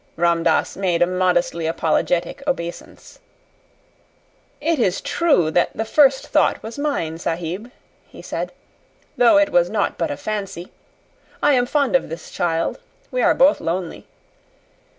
Ram Dass made a modestly apologetic obeisance. "It is true that the first thought was mine, Sahib," he said; "though it was naught but a fancy. I am fond of this child; we are both lonely.